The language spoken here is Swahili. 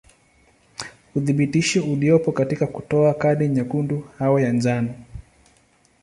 Uthibitisho uliopo katika kutoa kadi nyekundu au ya njano.